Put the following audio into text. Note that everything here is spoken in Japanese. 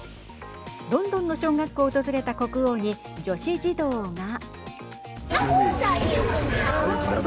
ロンドンの小学校を訪れた国王に女子児童が。